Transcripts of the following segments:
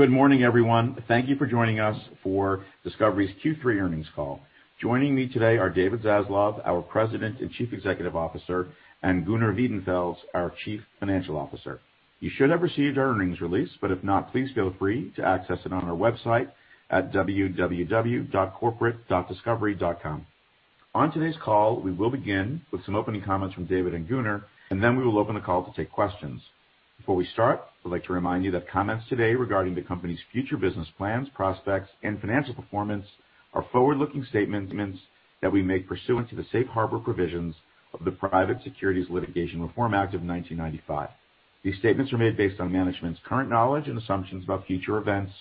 Good morning, everyone. Thank you for joining us for Discovery's Q3 earnings call. Joining me today are David Zaslav, our President and Chief Executive Officer, and Gunnar Wiedenfels, our Chief Financial Officer. You should have received our earnings release, but if not, please feel free to access it on our website at www.corporate.discovery.com. On today's call, we will begin with some opening comments from David and Gunnar, and then we will open the call to take questions. Before we start, I'd like to remind you that comments today regarding the company's future business plans, prospects, and financial performance are forward-looking statements that we make pursuant to the Safe Harbor Provisions of the Private Securities Litigation Reform Act of 1995. These statements are made based on management's current knowledge and assumptions about future events,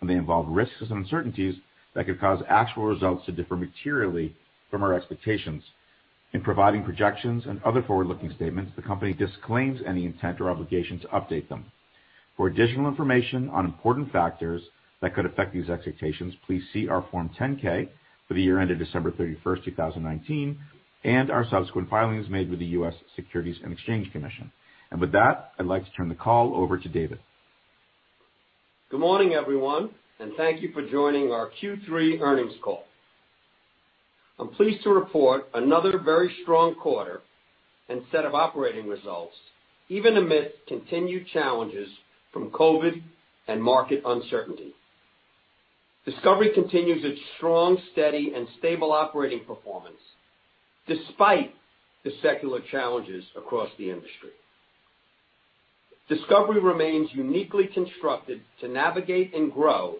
and they involve risks and uncertainties that could cause actual results to differ materially from our expectations. In providing projections and other forward-looking statements, the company disclaims any intent or obligation to update them. For additional information on important factors that could affect these expectations, please see our Form 10-K for the year ended December 31st, 2019, and our subsequent filings made with the U.S. Securities and Exchange Commission. With that, I'd like to turn the call over to David. Good morning, everyone, and thank you for joining our Q3 earnings call. I'm pleased to report another very strong quarter and set of operating results, even amidst continued challenges from COVID and market uncertainty. Discovery continues its strong, steady, and stable operating performance despite the secular challenges across the industry. Discovery remains uniquely constructed to navigate and grow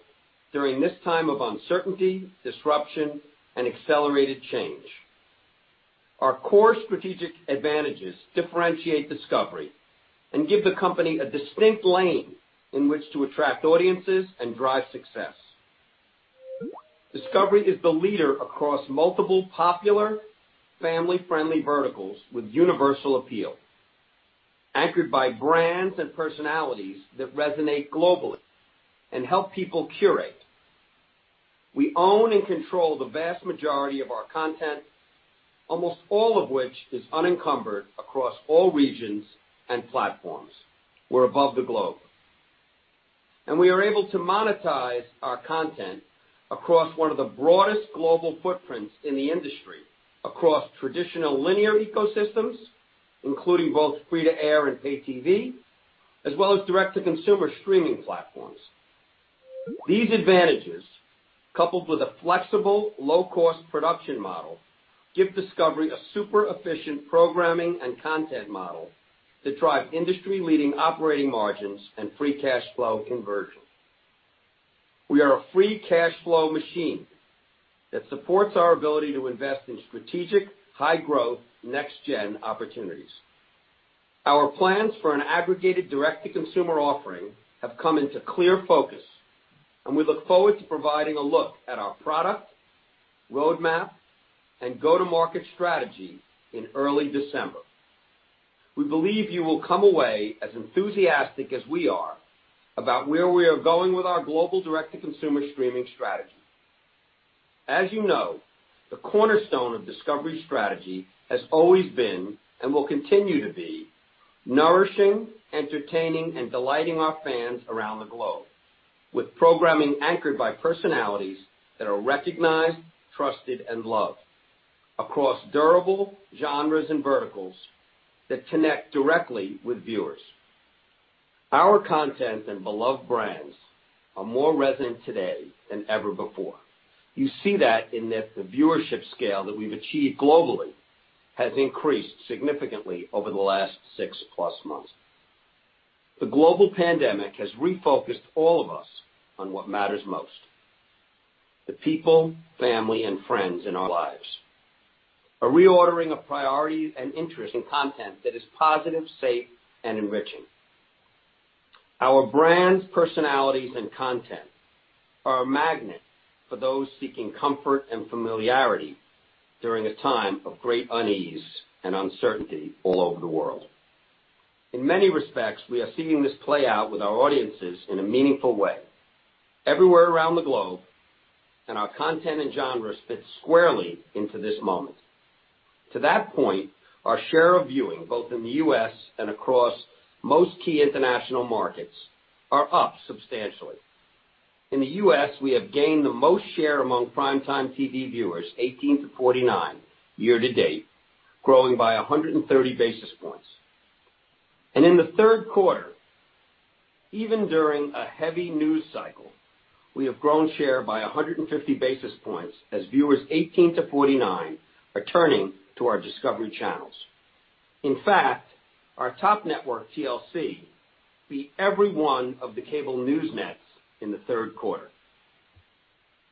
during this time of uncertainty, disruption, and accelerated change. Our core strategic advantages differentiate Discovery and give the company a distinct lane in which to attract audiences and drive success. Discovery is the leader across multiple popular family-friendly verticals with universal appeal, anchored by brands and personalities that resonate globally and help people curate. We own and control the vast majority of our content, almost all of which is unencumbered across all regions and platforms. We're above the globe. We are able to monetize our content across one of the broadest global footprints in the industry, across traditional linear ecosystems, including both free to air and pay TV, as well as direct-to-consumer streaming platforms. These advantages, coupled with a flexible, low-cost production model, give Discovery a super efficient programming and content model to drive industry-leading operating margins and free cash flow conversion. We are a free cash flow machine that supports our ability to invest in strategic, high-growth, next-gen opportunities. Our plans for an aggregated direct-to-consumer offering have come into clear focus, and we look forward to providing a look at our product, roadmap, and go-to-market strategy in early December. We believe you will come away as enthusiastic as we are about where we are going with our global direct-to-consumer streaming strategy. As you know, the cornerstone of Discovery strategy has always been, and will continue to be, nourishing, entertaining, and delighting our fans around the globe with programming anchored by personalities that are recognized, trusted, and loved across durable genres and verticals that connect directly with viewers. Our content and beloved brands are more resonant today than ever before. You see that in that the viewership scale that we've achieved globally has increased significantly over the last six plus months. The global pandemic has refocused all of us on what matters most, the people, family, and friends in our lives. A reordering of priorities and interest in content that is positive, safe, and enriching. Our brands, personalities, and content are a magnet for those seeking comfort and familiarity during a time of great unease and uncertainty all over the world. In many respects, we are seeing this play out with our audiences in a meaningful way everywhere around the globe, and our content and genres fit squarely into this moment. To that point, our share of viewing, both in the U.S. and across most key international markets, are up substantially. In the U.S., we have gained the most share among primetime TV viewers 18-49 year to date, growing by 130 basis points. In the third quarter, even during a heavy news cycle, we have grown share by 150 basis points as viewers 18-49 are turning to our Discovery channels. In fact, our top network, TLC, beat every one of the cable news nets in the third quarter.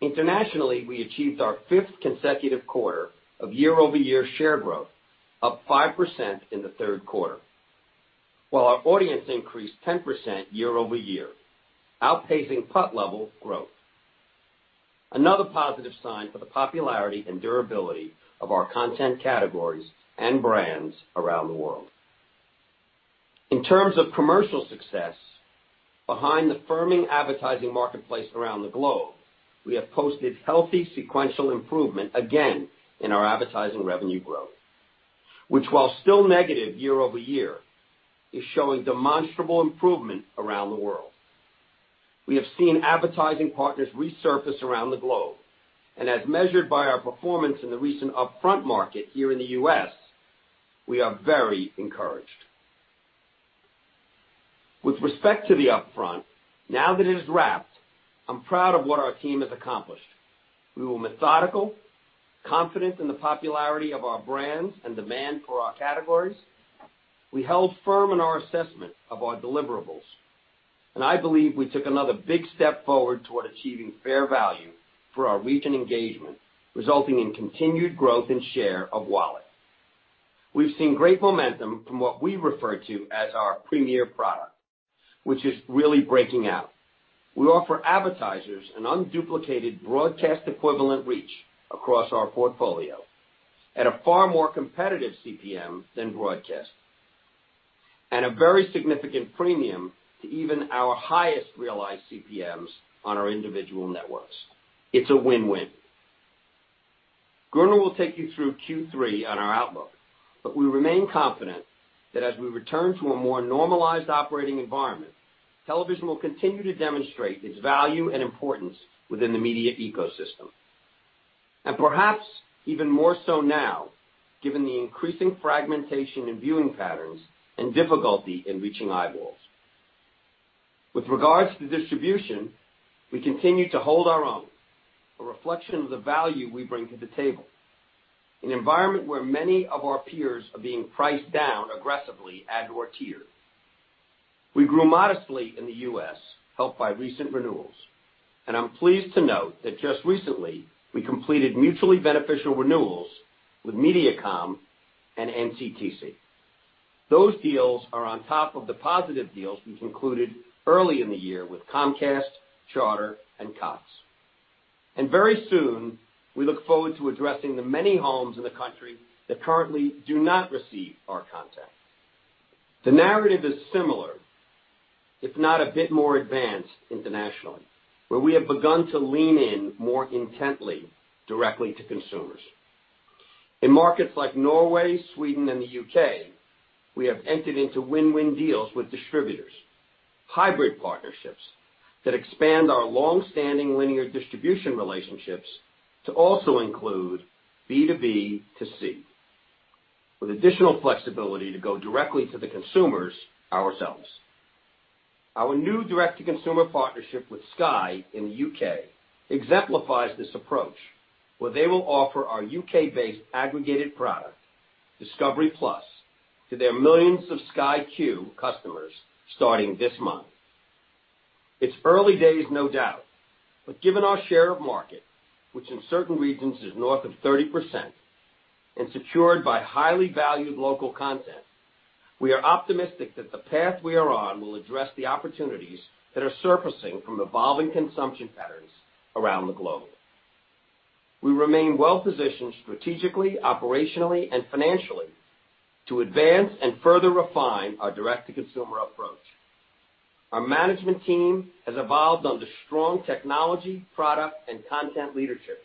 Internationally, we achieved our fifth consecutive quarter of year-over-year share growth of 5% in the third quarter, while our audience increased 10% year-over-year, outpacing PUT level growth. Another positive sign for the popularity and durability of our content categories and brands around the world. In terms of commercial success, behind the firming advertising marketplace around the globe, we have posted healthy sequential improvement again in our advertising revenue growth. Which while still negative year-over-year, is showing demonstrable improvement around the world. We have seen advertising partners resurface around the globe, and as measured by our performance in the recent upfront market here in the U.S., we are very encouraged. With respect to the upfront, now that it is wrapped, I'm proud of what our team has accomplished. We were methodical, confident in the popularity of our brands and demand for our categories. We held firm in our assessment of our deliverables, and I believe we took another big step forward toward achieving fair value for our reach and engagement, resulting in continued growth in share of wallet. We've seen great momentum from what we refer to as our premier product, which is really breaking out. We offer advertisers an unduplicated broadcast equivalent reach across our portfolio at a far more competitive CPM than broadcast, and a very significant premium to even our highest realized CPMs on our individual networks. It's a win-win. Gunnar will take you through Q3 on our outlook, but we remain confident that as we return to a more normalized operating environment, television will continue to demonstrate its value and importance within the media ecosystem. Perhaps even more so now, given the increasing fragmentation in viewing patterns and difficulty in reaching eyeballs. With regards to distribution, we continue to hold our own, a reflection of the value we bring to the table, an environment where many of our peers are being priced down aggressively ad-tier. We grew modestly in the U.S., helped by recent renewals. I'm pleased to note that just recently, we completed mutually beneficial renewals with Mediacom and NCTC. Those deals are on top of the positive deals we concluded early in the year with Comcast, Charter, and Cox. Very soon, we look forward to addressing the many homes in the country that currently do not receive our content. The narrative is similar, if not a bit more advanced internationally, where we have begun to lean in more intently directly to consumers. In markets like Norway, Sweden, and the U.K., we have entered into win-win deals with distributors, hybrid partnerships that expand our long-standing linear distribution relationships to also include B2B2C, with additional flexibility to go directly to the consumers ourselves. Our new direct-to-consumer partnership with Sky in the U.K. exemplifies this approach, where they will offer our U.K.-based aggregated product, discovery+, to their millions of Sky Q customers starting this month. It's early days, no doubt, but given our share of market, which in certain regions is north of 30% and secured by highly valued local content, we are optimistic that the path we are on will address the opportunities that are surfacing from evolving consumption patterns around the globe. We remain well-positioned strategically, operationally, and financially to advance and further refine our direct-to-consumer approach. Our management team has evolved under strong technology, product, and content leadership,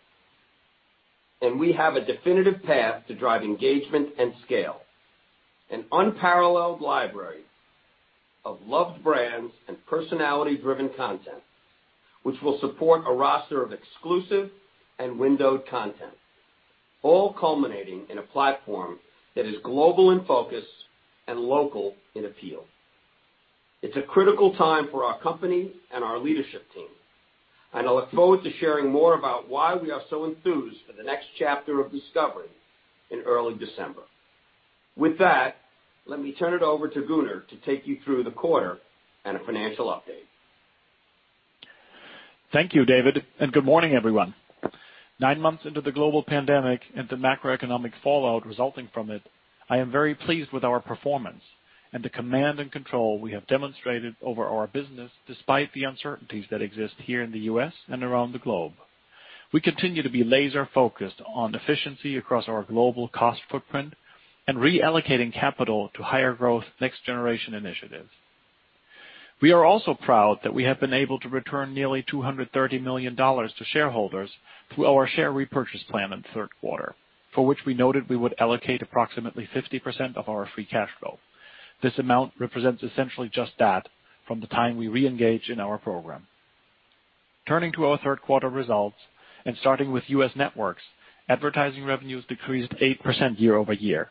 and we have a definitive path to drive engagement and scale. An unparalleled library of loved brands and personality-driven content, which will support a roster of exclusive and windowed content, all culminating in a platform that is global in focus and local in appeal. It's a critical time for our company and our leadership team, and I look forward to sharing more about why we are so enthused for the next chapter of Discovery in early December. With that, let me turn it over to Gunnar to take you through the quarter and a financial update. Thank you, David, good morning, everyone. Nine months into the global pandemic and the macroeconomic fallout resulting from it, I am very pleased with our performance and the command and control we have demonstrated over our business, despite the uncertainties that exist here in the U.S. and around the globe. We continue to be laser-focused on efficiency across our global cost footprint and reallocating capital to higher growth next-generation initiatives. We are also proud that we have been able to return nearly $230 million to shareholders through our share repurchase plan in the third quarter, for which we noted we would allocate approximately 50% of our free cash flow. This amount represents essentially just that from the time we reengaged in our program. Turning to our third quarter results and starting with U.S. Networks, advertising revenues decreased 8% year-over-year.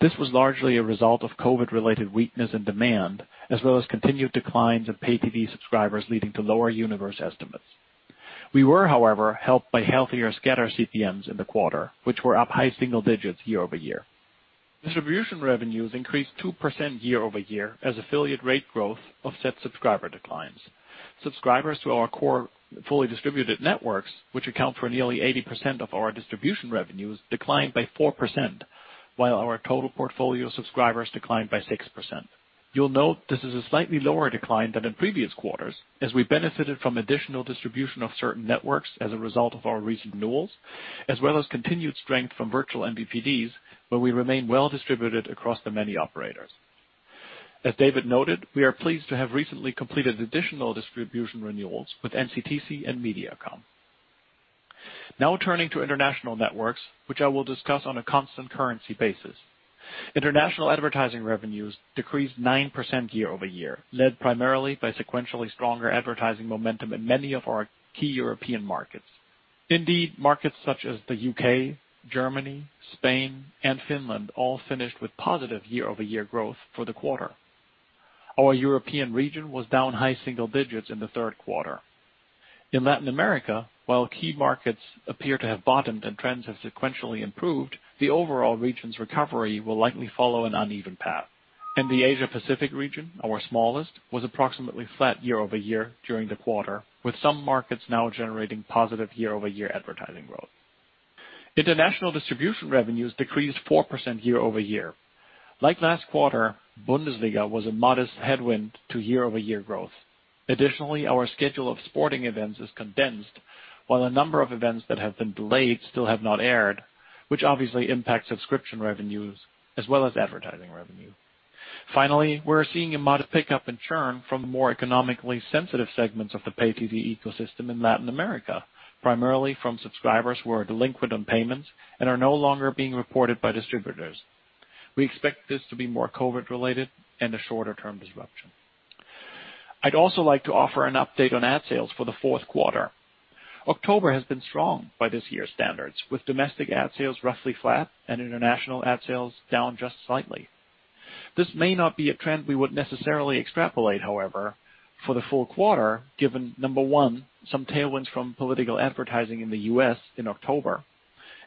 This was largely a result of COVID-related weakness and demand, as well as continued declines of pay TV subscribers, leading to lower universe estimates. We were, however, helped by healthier scatter CPMs in the quarter, which were up high single digits year-over-year. Distribution revenues increased 2% year-over-year as affiliate rate growth offset subscriber declines. Subscribers to our core fully distributed networks, which account for nearly 80% of our distribution revenues, declined by 4%, while our total portfolio subscribers declined by 6%. You'll note this is a slightly lower decline than in previous quarters as we benefited from additional distribution of certain networks as a result of our recent renewals, as well as continued strength from virtual MVPDs where we remain well distributed across the many operators. As David noted, we are pleased to have recently completed additional distribution renewals with NCTC and Mediacom. Turning to international networks, which I will discuss on a constant currency basis. International advertising revenues decreased 9% year-over-year, led primarily by sequentially stronger advertising momentum in many of our key European markets. Markets such as the U.K., Germany, Spain, and Finland all finished with positive year-over-year growth for the quarter. Our European region was down high single digits in the third quarter. In Latin America, while key markets appear to have bottomed and trends have sequentially improved, the overall region's recovery will likely follow an uneven path. In the Asia Pacific region, our smallest, was approximately flat year-over-year during the quarter, with some markets now generating positive year-over-year advertising growth. International distribution revenues decreased 4% year-over-year. Like last quarter, Bundesliga was a modest headwind to year-over-year growth. Additionally, our schedule of sporting events is condensed, while a number of events that have been delayed still have not aired, which obviously impacts subscription revenues as well as advertising revenue. Finally, we're seeing a modest pickup in churn from the more economically sensitive segments of the pay-TV ecosystem in Latin America, primarily from subscribers who are delinquent on payments and are no longer being reported by distributors. We expect this to be more COVID-related and a shorter-term disruption. I'd also like to offer an update on ad sales for the fourth quarter. October has been strong by this year's standards, with domestic ad sales roughly flat and international ad sales down just slightly. This may not be a trend we would necessarily extrapolate, however, for the full quarter, given, number one, some tailwinds from political advertising in the U.S. in October.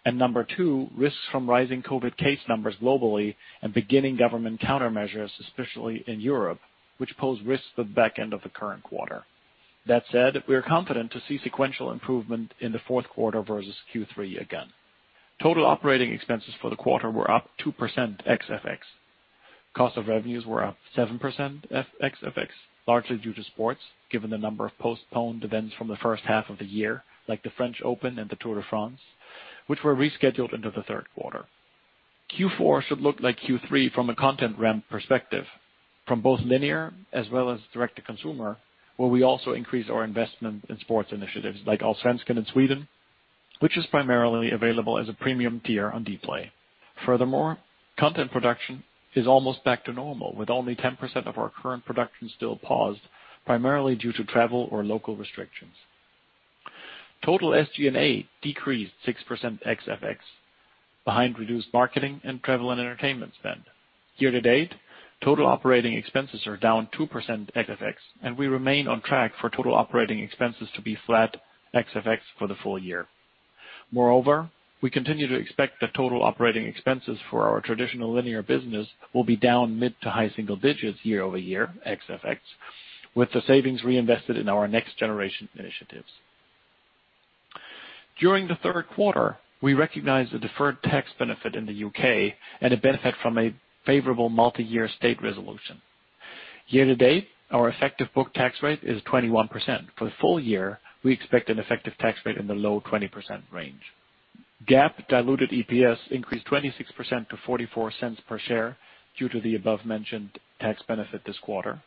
Number two, risks from rising COVID case numbers globally and beginning government countermeasures, especially in Europe, which pose risks to the back end of the current quarter. That said, we are confident to see sequential improvement in the fourth quarter versus Q3 again. Total operating expenses for the quarter were up 2% ex FX. Cost of revenues were up 7% ex FX, largely due to sports, given the number of postponed events from the first half of the year, like the French Open and the Tour de France, which were rescheduled into the third quarter. Q4 should look like Q3 from a content ramp perspective, from both linear as well as direct-to-consumer, where we also increase our investment in sports initiatives like Allsvenskan in Sweden, which is primarily available as a premium tier on Dplay. Furthermore, content production is almost back to normal, with only 10% of our current production still paused, primarily due to travel or local restrictions. Total SG&A decreased 6% ex FX behind reduced marketing and travel and entertainment spend. Year-to-date, total operating expenses are down 2% ex FX, and we remain on track for total operating expenses to be flat ex FX for the full year. Moreover, we continue to expect that total operating expenses for our traditional linear business will be down mid to high single digits year-over-year ex FX, with the savings reinvested in our next-generation initiatives. During the third quarter, we recognized a deferred tax benefit in the U.K. and a benefit from a favorable multi-year state resolution. Year-to-date, our effective book tax rate is 21%. For the full year, we expect an effective tax rate in the low 20% range. GAAP diluted EPS increased 26% to $0.44 per share due to the above-mentioned tax benefit this quarter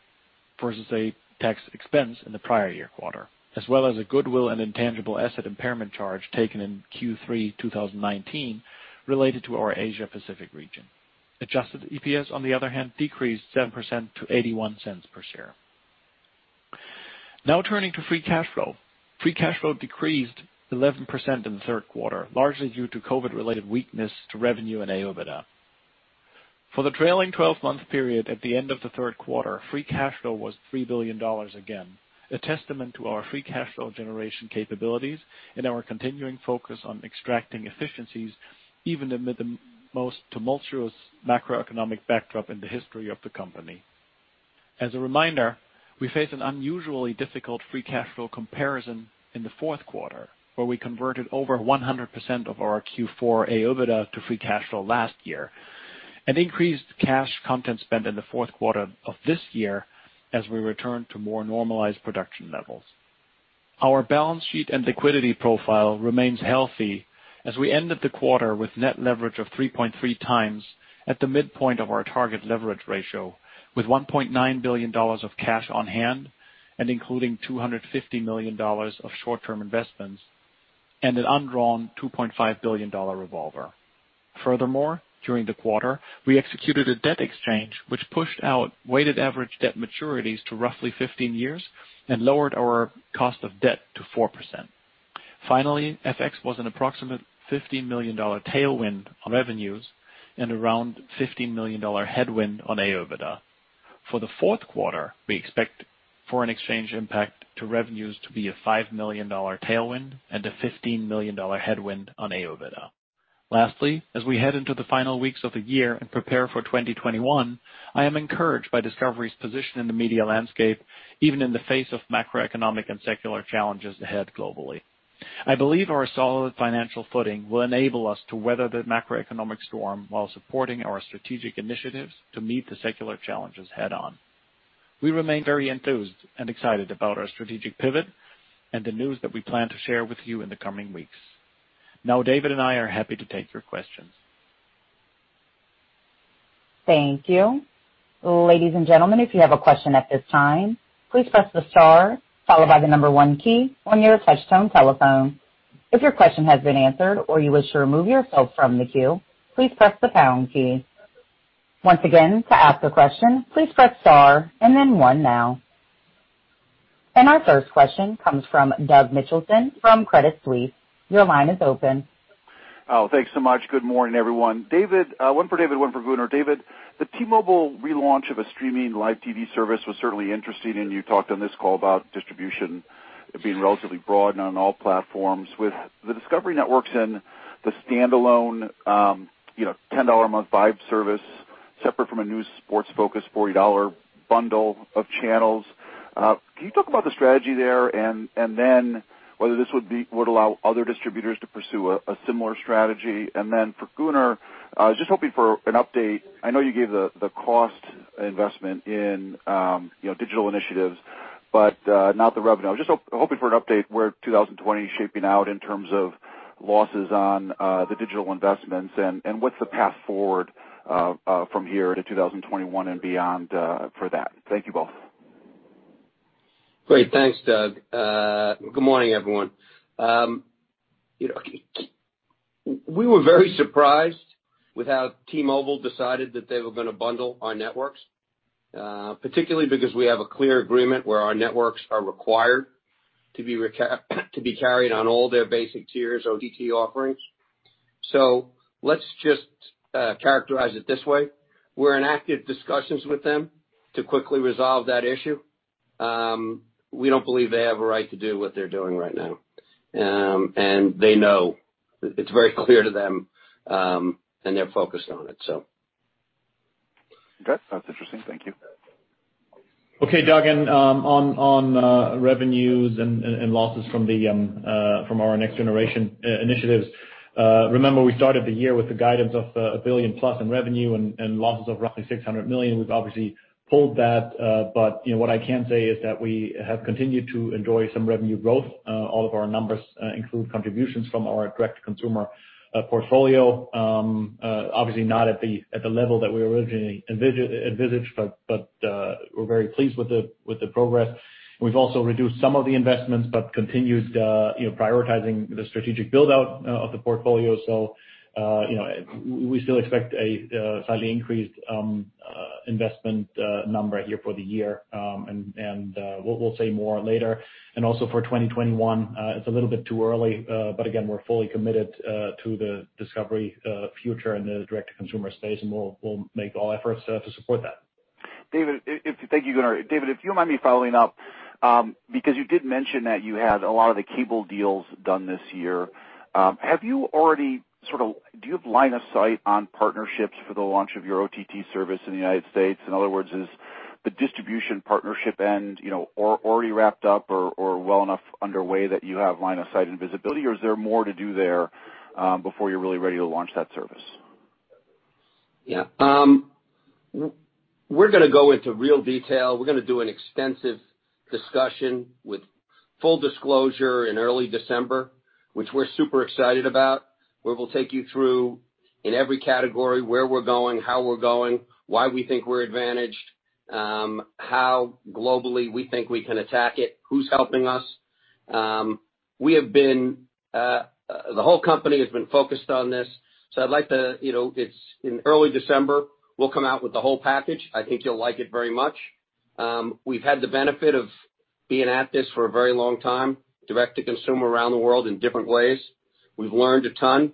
versus a tax expense in the prior year quarter, as well as a goodwill and intangible asset impairment charge taken in Q3 2019 related to our Asia Pacific region. Adjusted EPS, on the other hand, decreased 7% to $0.81 per share. Turning to free cash flow. Free cash flow decreased 11% in the third quarter, largely due to COVID-related weakness to revenue and AOIBDA. For the trailing 12-month period at the end of the third quarter, free cash flow was $3 billion again, a testament to our free cash flow generation capabilities and our continuing focus on extracting efficiencies even amid the most tumultuous macroeconomic backdrop in the history of the company. As a reminder, we face an unusually difficult free cash flow comparison in the fourth quarter, where we converted over 100% of our Q4 AOIBDA to free cash flow last year and increased cash content spend in the fourth quarter of this year as we return to more normalized production levels. Our balance sheet and liquidity profile remains healthy as we ended the quarter with net leverage of 3.3x at the midpoint of our target leverage ratio, with $1.9 billion of cash on hand and including $250 million of short-term investments and an undrawn $2.5 billion revolver. During the quarter, we executed a debt exchange, which pushed out weighted average debt maturities to roughly 15 years and lowered our cost of debt to 4%. FX was an approximate $15 million tailwind on revenues and around $15 million headwind on AOIBDA. For the fourth quarter, we expect foreign exchange impact to revenues to be a $5 million tailwind and a $15 million headwind on AOIBDA. As we head into the final weeks of the year and prepare for 2021, I am encouraged by Discovery's position in the media landscape, even in the face of macroeconomic and secular challenges ahead globally. I believe our solid financial footing will enable us to weather the macroeconomic storm while supporting our strategic initiatives to meet the secular challenges head-on. We remain very enthused and excited about our strategic pivot and the news that we plan to share with you in the coming weeks. David and I are happy to take your questions. Thank you. Ladies and gentlemen if you have a question at this time, please press the star followed by the number one key on your touchtone telephone. If your question has been answered or you wish to remove yourself from the queue, please press the pound key. Once again, to ask a question, please press star and then one now. Our first question comes from Doug Mitchelson from Credit Suisse. Your line is open. Thanks so much. Good morning, everyone. One for David, one for Gunnar. David, the T-Mobile relaunch of a streaming live TV service was certainly interesting, and you talked on this call about distribution being relatively broad and on all platforms. With the Discovery networks and the standalone $10 a month Vibe service, separate from a new sports-focused $40 bundle of channels, can you talk about the strategy there and then whether this would allow other distributors to pursue a similar strategy? For Gunnar, just hoping for an update. I know you gave the cost investment in digital initiatives, but not the revenue. I'm just hoping for an update where 2020 is shaping out in terms of losses on the digital investments and what's the path forward from here to 2021 and beyond for that. Thank you both. Great. Thanks, Doug. Good morning, everyone. We were very surprised with how T-Mobile decided that they were going to bundle our networks, particularly because we have a clear agreement where our networks are required to be carried on all their basic tiers OTT offerings. Let's just characterize it this way. We're in active discussions with them to quickly resolve that issue. We don't believe they have a right to do what they're doing right now. They know. It's very clear to them, and they're focused on it. Okay. That's interesting. Thank you. Okay, Doug, on revenues and losses from our next generation initiatives. Remember we started the year with the guidance of a $1+ billion in revenue and losses of roughly $600 million. We've obviously pulled that. What I can say is that we have continued to enjoy some revenue growth. All of our numbers include contributions from our direct-to-consumer portfolio. Obviously not at the level that we originally envisaged, but we're very pleased with the progress. We've also reduced some of the investments, but continued prioritizing the strategic build-out of the portfolio. We still expect a slightly increased investment number here for the year. We'll say more later. Also for 2021, it's a little bit too early. Again, we're fully committed to the Discovery future in the direct-to-consumer space, and we'll make all efforts to support that. Thank you, Gunnar. David, if you don't mind me following up, because you did mention that you had a lot of the cable deals done this year, do you have line of sight on partnerships for the launch of your OTT service in the United States? In other words, is the distribution partnership end already wrapped up or well enough underway that you have line of sight and visibility, or is there more to do there before you're really ready to launch that service? We're going to go into real detail. We're going to do an extensive discussion with full disclosure in early December, which we're super excited about, where we'll take you through in every category, where we're going, how we're going, why we think we're advantaged, how globally we think we can attack it, who's helping us. The whole company has been focused on this. In early December, we'll come out with the whole package. I think you'll like it very much. We've had the benefit of being at this for a very long time, direct to consumer around the world in different ways. We've learned a ton.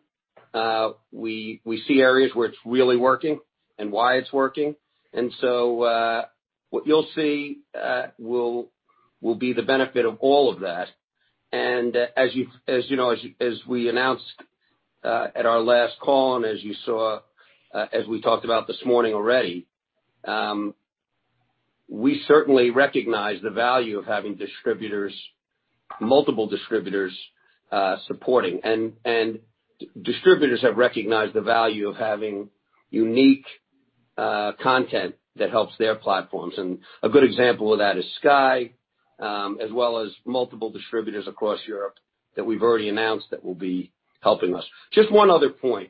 We see areas where it's really working and why it's working. What you'll see will be the benefit of all of that. As you know, as we announced at our last call and as we talked about this morning already, we certainly recognize the value of having multiple distributors supporting. Distributors have recognized the value of having unique content that helps their platforms. A good example of that is Sky, as well as multiple distributors across Europe that we've already announced that will be helping us. Just one other point.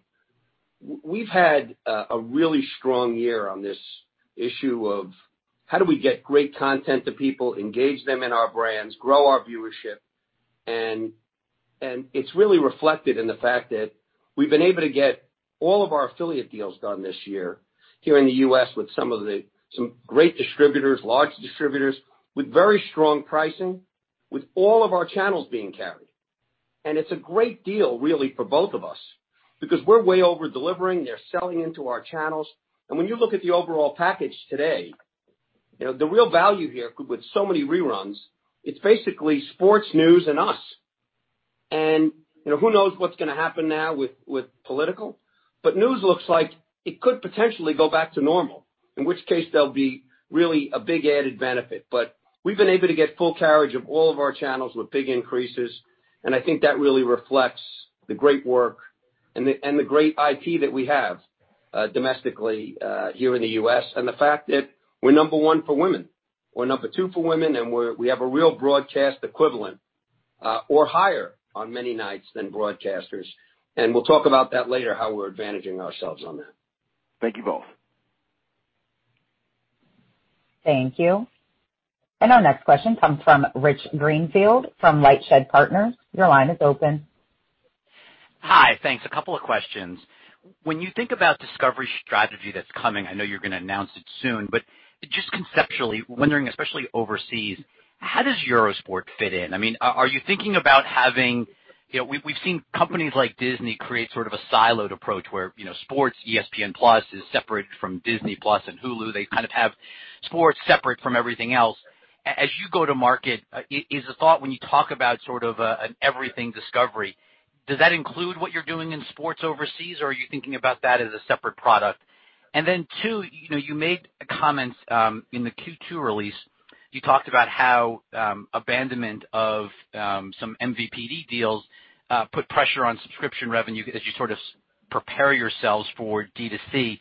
We've had a really strong year on this issue of how do we get great content to people, engage them in our brands, grow our viewership, and it's really reflected in the fact that we've been able to get all of our affiliate deals done this year here in the U.S. with some great distributors, large distributors, with very strong pricing, with all of our channels being carried. It's a great deal really for both of us because we're way over-delivering. They're selling into our channels. When you look at the overall package today, the real value here with so many reruns, it's basically sports news and us. Who knows what's going to happen now with political, but news looks like it could potentially go back to normal, in which case there'll be really a big added benefit. We've been able to get full carriage of all of our channels with big increases, and I think that really reflects the great work and the great IP that we have domestically here in the U.S., and the fact that we're number one for women. We're number two for women, and we have a real broadcast equivalent or higher on many nights than broadcasters. We'll talk about that later, how we're advantaging ourselves on that. Thank you both. Thank you. Our next question comes from Rich Greenfield from LightShed Partners. Your line is open. Hi. Thanks. A couple of questions. When you think about Discovery's strategy that's coming, I know you're going to announce it soon, but just conceptually wondering, especially overseas, how does Eurosport fit in? Are you thinking about having, we've seen companies like Disney create sort of a siloed approach where sports, ESPN+ is separate from Disney+ and Hulu. They kind of have sports separate from everything else. As you go to market, is the thought when you talk about sort of an everything Discovery, does that include what you're doing in sports overseas, or are you thinking about that as a separate product? Two, you made comments, in the Q2 release, you talked about how abandonment of some MVPD deals put pressure on subscription revenue as you sort of prepare yourselves for D2C.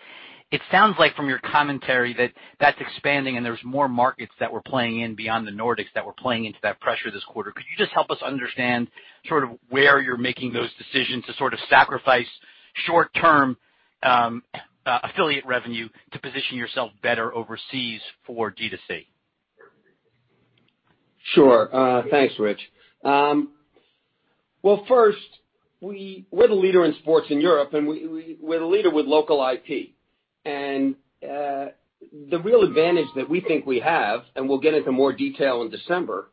It sounds like from your commentary that that's expanding and there's more markets that we're playing in beyond the Nordics that we're playing into that pressure this quarter. Could you just help us understand sort of where you're making those decisions to sort of sacrifice short-term affiliate revenue to position yourself better overseas for D2C? Sure. Thanks, Rich. Well, first, we're the leader in sports in Europe, and we're the leader with local IP. The real advantage that we think we have, and we'll get into more detail in December,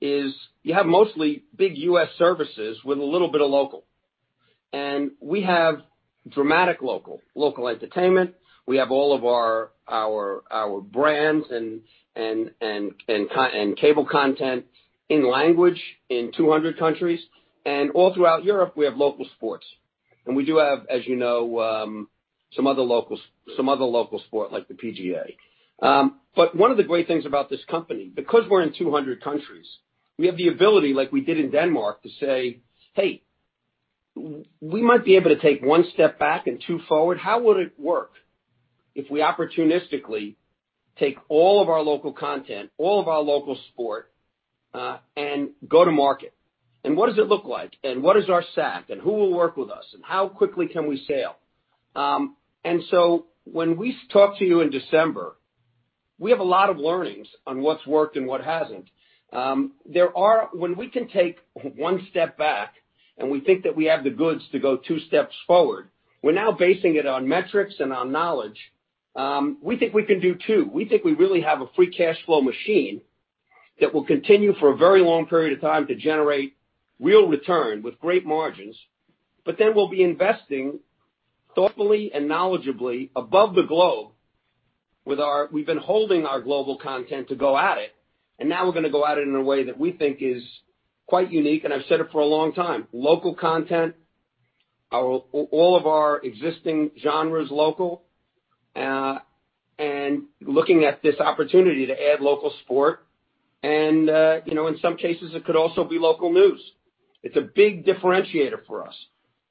is you have mostly big U.S. services with a little bit of local. We have dramatic local. Local entertainment. We have all of our brands and cable content in language in 200 countries, and all throughout Europe, we have local sports. We do have, as you know, some other local sport like the PGA. One of the great things about this company, because we're in 200 countries, we have the ability, like we did in Denmark, to say, "Hey, we might be able to take one step back and two forward. How would it work if we opportunistically take all of our local content, all of our local sport, and go to market? What does it look like? What is our stack, and who will work with us, and how quickly can we sail? When we talk to you in December, we have a lot of learnings on what's worked and what hasn't. When we can take one step back and we think that we have the goods to go two steps forward, we're now basing it on metrics and on knowledge. We think we can do two. We think we really have a free cash flow machine that will continue for a very long period of time to generate real return with great margins, but then we'll be investing thoughtfully and knowledgeably above the globe. We've been holding our global content to go at it, and now we're going to go at it in a way that we think is quite unique, and I've said it for a long time. Local content, all of our existing genres local, and looking at this opportunity to add local sport and, in some cases, it could also be local news. It's a big differentiator for us.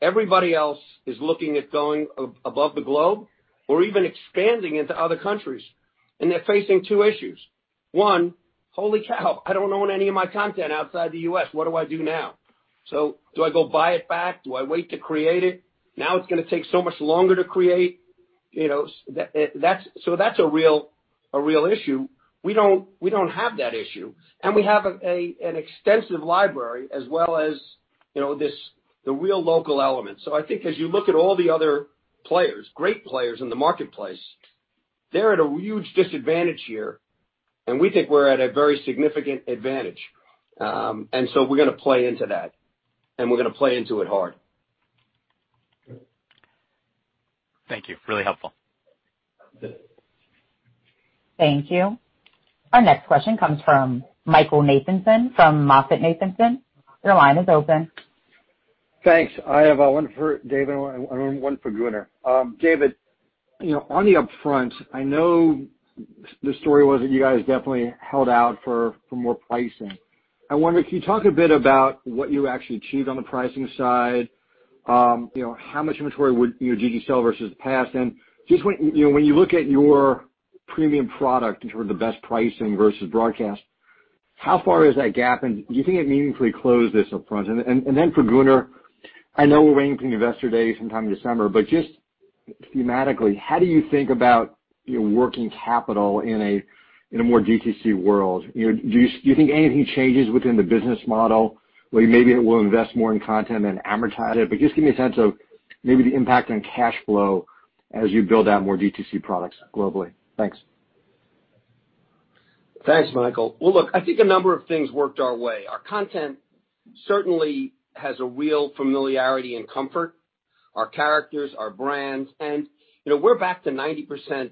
Everybody else is looking at going above the globe or even expanding into other countries, and they're facing two issues. One, holy cow, I don't own any of my content outside the U.S. What do I do now? Do I go buy it back? Do I wait to create it? Now it's going to take so much longer to create. That's a real issue. We don't have that issue. We have an extensive library as well as the real local element. I think as you look at all the other players, great players in the marketplace, they're at a huge disadvantage here, and we think we're at a very significant advantage. We're going to play into that, and we're going to play into it hard. Thank you. Really helpful. Thank you. Our next question comes from Michael Nathanson from MoffettNathanson. Your line is open. Thanks. I have one for David and one for Gunnar. David, on the upfront, I know the story was that you guys definitely held out for more pricing. I wonder, can you talk a bit about what you actually achieved on the pricing side? How much inventory would you sell versus the past? Just when you look at your premium product in terms of the best pricing versus broadcast, how far is that gap, and do you think it meaningfully closed this upfront? For Gunnar, I know we're waiting for the investor day sometime in December, but just thematically, how do you think about your working capital in a more D2C world? Do you think anything changes within the business model, where maybe it will invest more in content than advertise it? Just give me a sense of maybe the impact on cash flow as you build out more D2C products globally. Thanks. Thanks, Michael. Well, look, I think a number of things worked our way. Our content certainly has a real familiarity and comfort. Our characters, our brands, and we're back to 90%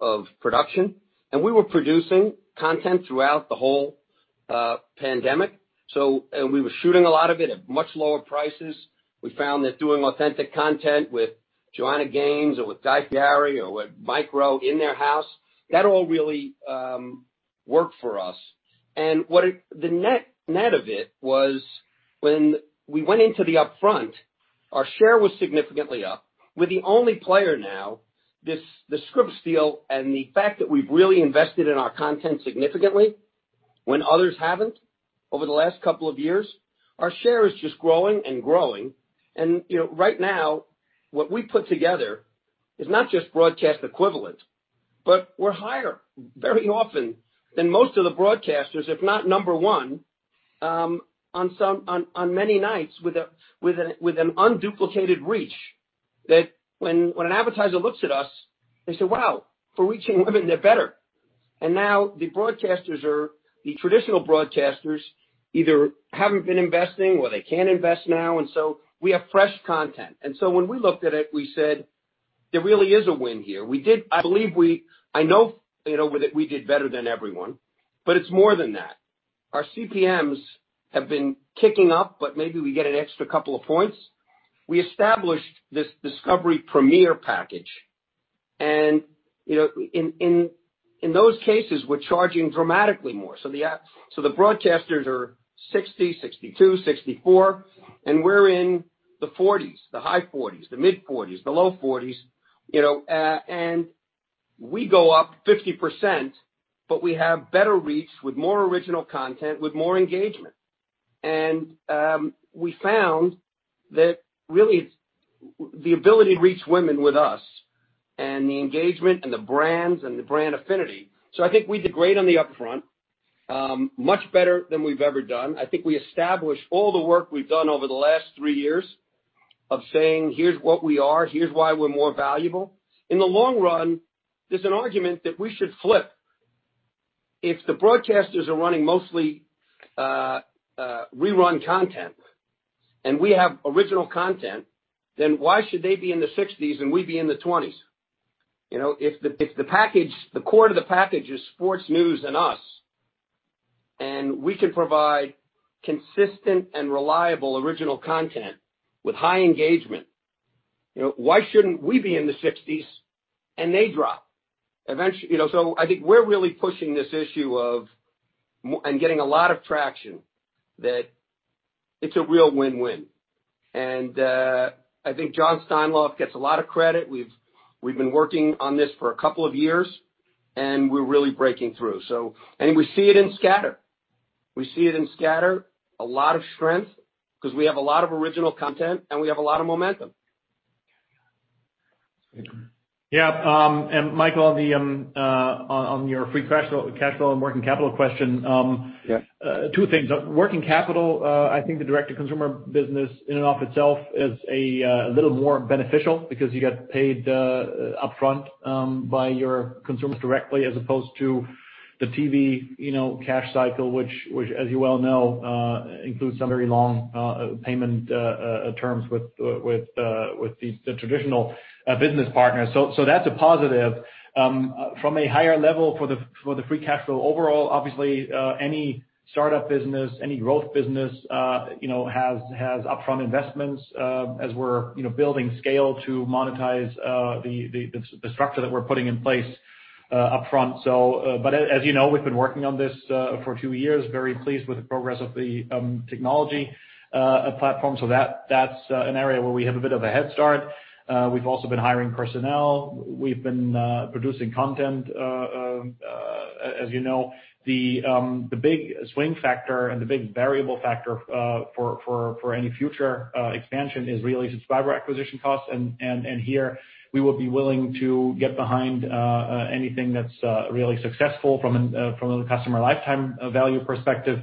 of production, and we were producing content throughout the whole pandemic. We were shooting a lot of it at much lower prices. We found that doing authentic content with Joanna Gaines or with Guy Fieri or with Mike Rowe in their house, that all really worked for us. The net of it was when we went into the upfront. Our share was significantly up. We're the only player now. The Scripps deal and the fact that we've really invested in our content significantly when others haven't over the last couple of years, our share is just growing and growing. Right now, what we put together is not just broadcast equivalent, but we're higher very often than most of the broadcasters, if not number one, on many nights with an unduplicated reach that when an advertiser looks at us, they say, "Wow, for reaching women, they're better." Now the traditional broadcasters either haven't been investing or they can't invest now, and so we have fresh content. When we looked at it, we said, there really is a win here. I know that we did better than everyone, but it's more than that. Our CPMs have been ticking up, but maybe we get an extra couple of points. We established this Discovery Premier package, and in those cases, we're charging dramatically more. The broadcasters are 60%, 62%, 64%, and we're in the 40%, the high 40%, the mid 40%, the low 40%. We go up 50%, but we have better reach with more original content, with more engagement. We found that really it's the ability to reach women with us and the engagement and the brands and the brand affinity. I think we did great on the upfront. Much better than we've ever done. I think we established all the work we've done over the last three years of saying, "Here's what we are. Here's why we're more valuable." In the long run, there's an argument that we should flip. If the broadcasters are running mostly rerun content and we have original content, then why should they be in the 60% and we be in the 20%? If the core to the package is sports news and us, and we can provide consistent and reliable original content with high engagement, why shouldn't we be in the 60% and they drop? I think we're really pushing this issue, and getting a lot of traction, that it's a real win-win. I think Jon Steinlauf gets a lot of credit. We've been working on this for a couple of years, and we're really breaking through. We see it in scatter. We see it in scatter, a lot of strength, because we have a lot of original content, and we have a lot of momentum. Yeah. Michael, on your free cash flow and working capital question. Yes Two things. Working capital, I think the direct-to-consumer business in and of itself is a little more beneficial because you get paid upfront by your consumers directly as opposed to the TV cash cycle, which as you well know, includes some very long payment terms with the traditional business partners. That's a positive. From a higher level for the free cash flow overall, obviously, any startup business, any growth business has upfront investments as we're building scale to monetize the structure that we're putting in place upfront. As you know, we've been working on this for two years. Very pleased with the progress of the technology platform. That's an area where we have a bit of a head start. We've also been hiring personnel. We've been producing content. As you know, the big swing factor and the big variable factor for any future expansion is really subscriber acquisition costs. Here we would be willing to get behind anything that's really successful from a customer lifetime value perspective.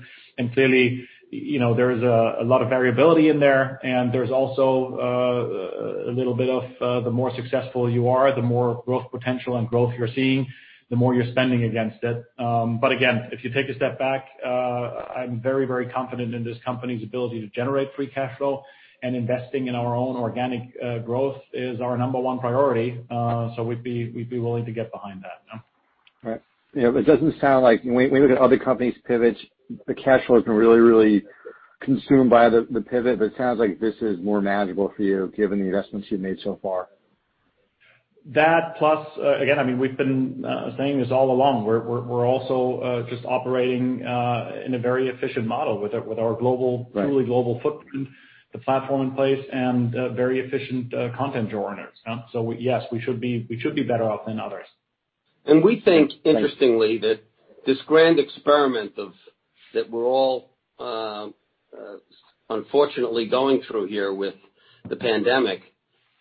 Clearly, there is a lot of variability in there, and there's also a little bit of the more successful you are, the more growth potential and growth you're seeing, the more you're spending against it. Again, if you take a step back, I'm very, very confident in this company's ability to generate free cash flow and investing in our own organic growth is our number one priority. We'd be willing to get behind that. Yeah. Right. It doesn't sound like when we look at other companies pivot, the cash flow has been really consumed by the pivot, but it sounds like this is more manageable for you given the investments you've made so far. That plus, again, we've been saying this all along, we're also just operating in a very efficient model with our truly global footprint, the platform in place, and very efficient content owners. Yes, we should be better off than others. We think, interestingly, that this grand experiment that we're all unfortunately going through here with the pandemic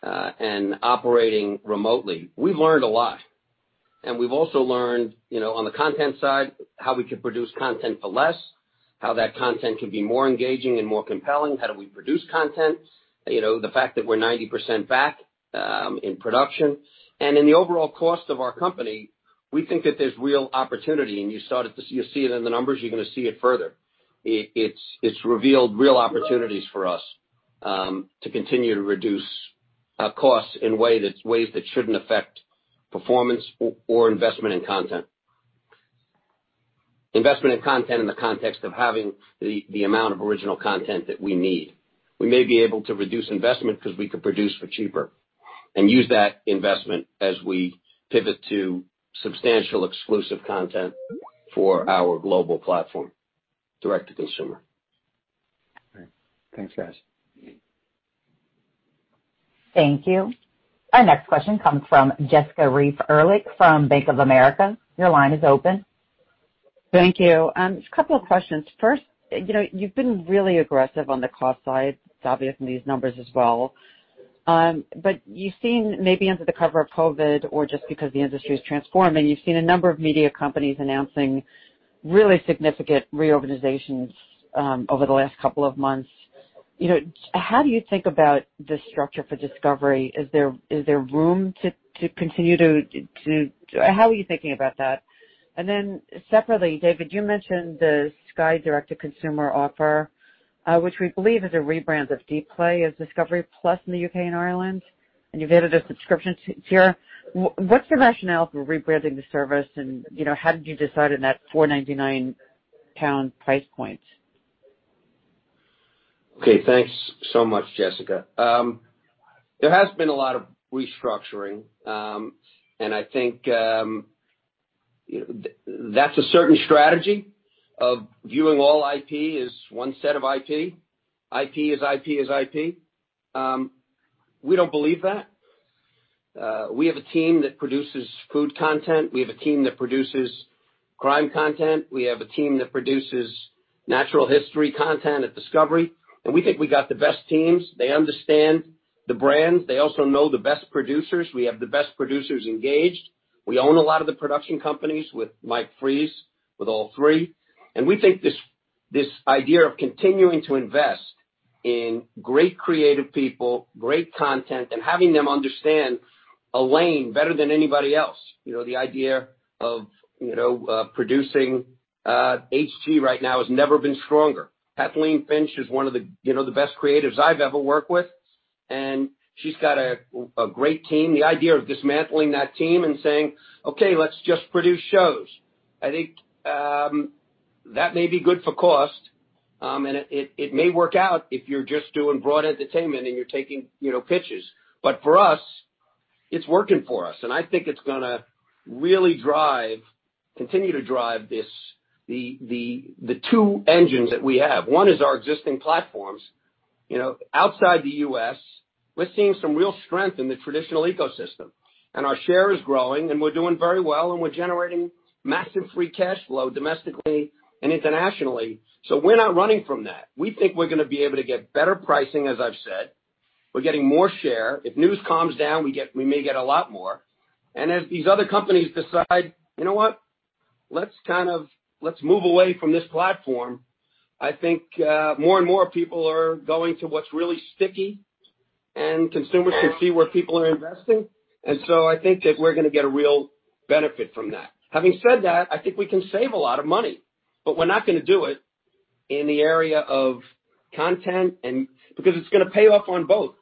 and operating remotely, we've learned a lot. We've also learned on the content side, how we can produce content for less, how that content can be more engaging and more compelling, how do we produce content. The fact that we're 90% back in production. In the overall cost of our company, we think that there's real opportunity. You see it in the numbers, you're going to see it further. It's revealed real opportunities for us to continue to reduce costs in ways that shouldn't affect performance or investment in content. Investment in content in the context of having the amount of original content that we need. We may be able to reduce investment because we could produce for cheaper and use that investment as we pivot to substantial exclusive content for our global platform, direct-to-consumer. All right. Thanks, guys. Thank you. Our next question comes from Jessica Reif Ehrlich from Bank of America. Your line is open. Thank you. Just a couple of questions. First, you've been really aggressive on the cost side. It's obvious from these numbers as well. You've seen maybe under the cover of COVID or just because the industry is transforming, you've seen a number of media companies announcing really significant reorganizations over the last couple of months. How do you think about the structure for Discovery? How are you thinking about that? Separately, David, you mentioned the Sky direct-to-consumer offer, which we believe is a rebrand of Dplay as discovery+ in the U.K. and Ireland, and you've added a subscription tier. What's your rationale for rebranding the service and how did you decide on that 4.99 pound price point? Okay. Thanks so much, Jessica. There has been a lot of restructuring. I think that's a certain strategy of viewing all IP as one set of IP. IP is IP is IP. We don't believe that. We have a team that produces food content. We have a team that produces crime content. We have a team that produces natural history content at Discovery. We think we got the best teams. They understand the brands. They also know the best producers. We have the best producers engaged. We own a lot of the production companies with Mike Fries, with All3. We think this idea of continuing to invest in great creative people, great content, and having them understand a lane better than anybody else. The idea of producing HG right now has never been stronger. Kathleen Finch is one of the best creators I've ever worked with, and she's got a great team. The idea of dismantling that team and saying, "Okay, let's just produce shows." I think that may be good for cost, and it may work out if you're just doing broad entertainment and you're taking pitches. For us, it's working for us and I think it's going to really continue to drive the two engines that we have. One is our existing platforms. Outside the U.S., we're seeing some real strength in the traditional ecosystem and our share is growing and we're doing very well and we're generating massive free cash flow domestically and internationally. We're not running from that. We think we're going to be able to get better pricing as I've said. We're getting more share. If news calms down, we may get a lot more. If these other companies decide, "You know what? Let's move away from this platform," I think more and more people are going to what's really sticky and consumers can see where people are investing. I think that we're going to get a real benefit from that. Having said that, I think we can save a lot of money, but we're not going to do it in the area of content because it's going to pay off on both.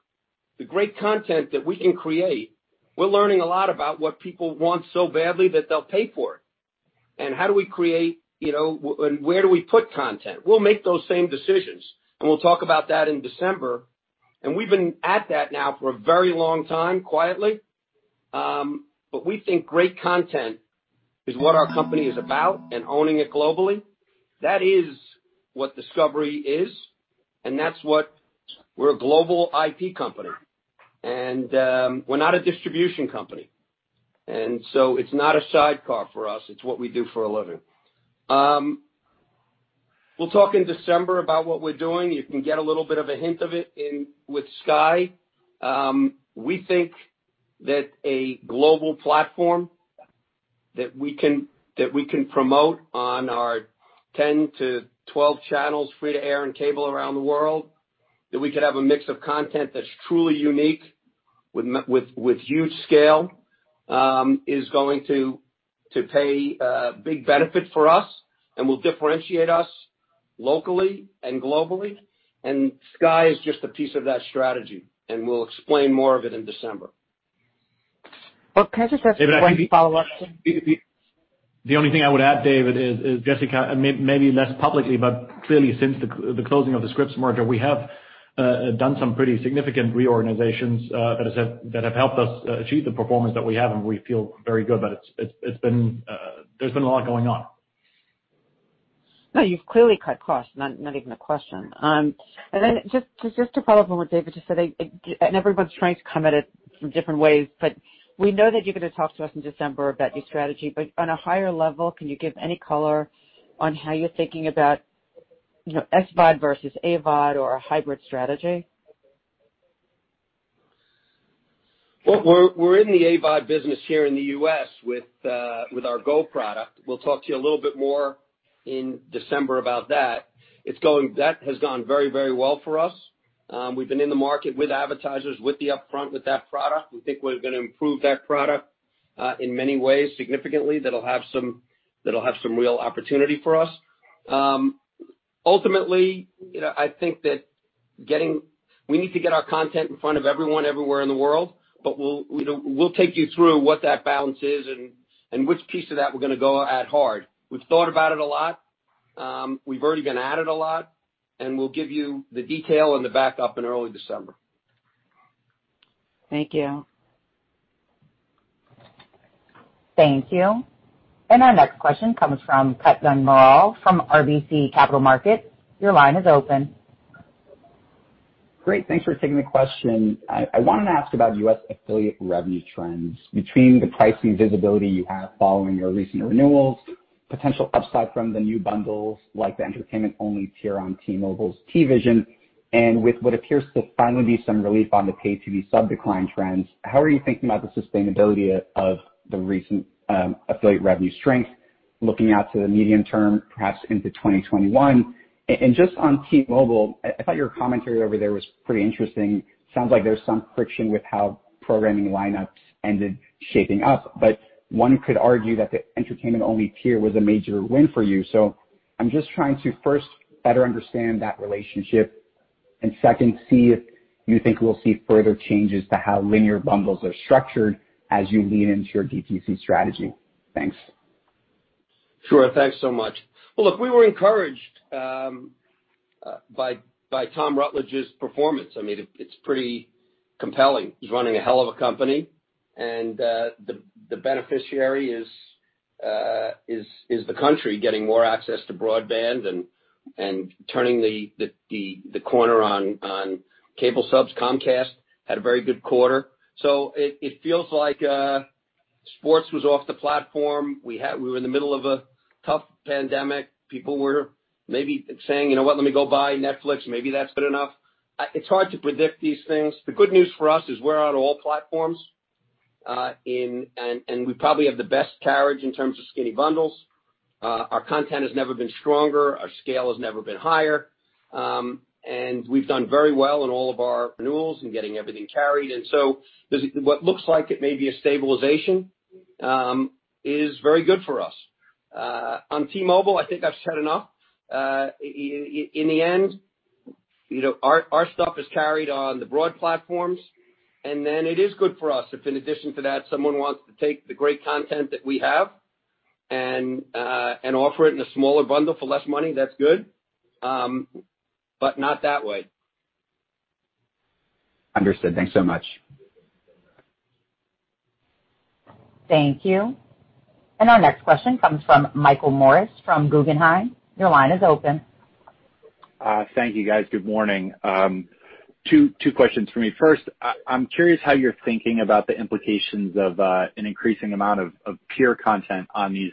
The great content that we can create, we're learning a lot about what people want so badly that they'll pay for it, and how do we create, and where do we put content? We'll make those same decisions, and we'll talk about that in December. We've been at that now for a very long time, quietly. We think great content is what our company is about and owning it globally. That is what Discovery is. We're a global IP company, and we're not a distribution company. It's not a sidecar for us. It's what we do for a living. We'll talk in December about what we're doing. You can get a little bit of a hint of it with Sky. We think that a global platform that we can promote on our 10-12 channels, free-to-air and cable around the world, that we could have a mix of content that's truly unique with huge scale, is going to pay a big benefit for us and will differentiate us locally and globally. Sky is just a piece of that strategy, and we'll explain more of it in December. Well, can I just ask a quick follow-up? David, I think. The only thing I would add, David, is Jessica, maybe less publicly, but clearly since the closing of the Scripps merger, we have done some pretty significant reorganizations that have helped us achieve the performance that we have, and we feel very good about it. There has been a lot going on. No, you've clearly cut costs, not even a question. Just to follow up on what David just said, everyone's trying to come at it from different ways, but we know that you're going to talk to us in December about your strategy. On a higher level, can you give any color on how you're thinking about SVOD versus AVOD or a hybrid strategy? We're in the AVOD business here in the U.S. with our GO product. We'll talk to you a little bit more in December about that. That has gone very, very well for us. We've been in the market with advertisers, with the upfront, with that product. We think we're going to improve that product, in many ways, significantly, that'll have some real opportunity for us. Ultimately, I think that we need to get our content in front of everyone everywhere in the world, but we'll take you through what that balance is and which piece of that we're going to go at hard. We've thought about it a lot. We've already been at it a lot, and we'll give you the detail and the backup in early December. Thank you. Thank you. Our next question comes from Kutgun Maral from RBC Capital Markets. Your line is open. Great. Thanks for taking the question. I wanted to ask about U.S. affiliate revenue trends. Between the pricing visibility you have following your recent renewals, potential upside from the new bundles, like the entertainment-only tier on T-Mobile's TVision, and with what appears to finally be some relief on the pay TV sub decline trends, how are you thinking about the sustainability of the recent affiliate revenue strength looking out to the medium term, perhaps into 2021? Just on T-Mobile, I thought your commentary over there was pretty interesting. Sounds like there's some friction with how programming lineups ended shaping up, but one could argue that the entertainment-only tier was a major win for you. I'm just trying to, first, better understand that relationship, and second, see if you think we'll see further changes to how linear bundles are structured as you lean into your DTC strategy. Thanks. Sure. Thanks so much. Well, look, we were encouraged by Tom Rutledge's performance. It's pretty compelling. He's running a hell of a company, and the beneficiary is the country getting more access to broadband and turning the corner on cable subs. Comcast had a very good quarter. It feels like sports was off the platform. We were in the middle of a tough pandemic. People were maybe saying, "You know what? Let me go buy Netflix. Maybe that's good enough." It's hard to predict these things. The good news for us is we're on all platforms, and we probably have the best carriage in terms of skinny bundles. Our content has never been stronger, our scale has never been higher, and we've done very well in all of our renewals in getting everything carried. What looks like it may be a stabilization is very good for us. On T-Mobile, I think I've said enough. In the end, our stuff is carried on the broad platforms, and then it is good for us if, in addition to that, someone wants to take the great content that we have and offer it in a smaller bundle for less money, that's good. Not that way. Understood. Thanks so much. Thank you. Our next question comes from Michael Morris from Guggenheim. Your line is open. Thank you, guys. Good morning. Two questions from me. First, I'm curious how you're thinking about the implications of an increasing amount of pure content on these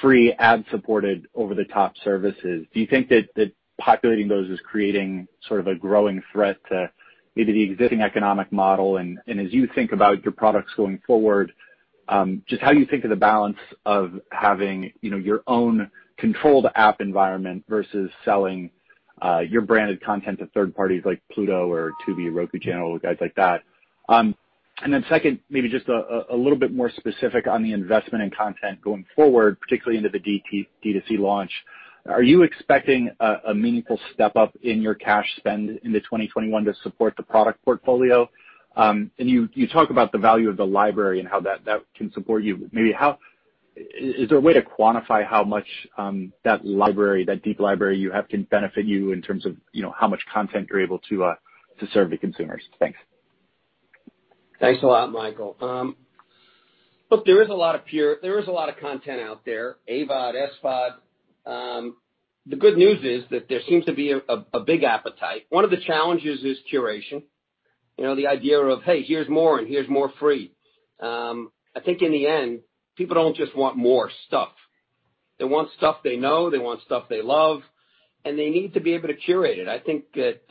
free ad-supported over-the-top services. Do you think that populating those is creating sort of a growing threat to maybe the existing economic model? As you think about your products going forward, just how you think of the balance of having your own controlled app environment versus selling your branded content to third parties like Pluto or Tubi, Roku Channel, guys like that. Second, maybe just a little bit more specific on the investment in content going forward, particularly into the DTC launch. Are you expecting a meaningful step-up in your cash spend into 2021 to support the product portfolio? You talk about the value of the library and how that can support you. Is there a way to quantify how much that deep library you have can benefit you in terms of how much content you're able to serve the consumers? Thanks. Thanks a lot, Michael. Look, there is a lot of content out there, AVOD, SVOD. The good news is that there seems to be a big appetite. One of the challenges is curation. The idea of, "Hey, here's more and here's more free." I think in the end, people don't just want more stuff. They want stuff they know, they want stuff they love, and they need to be able to curate it. I think that